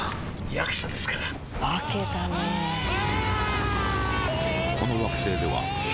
役者ですから化けたねうわーーー！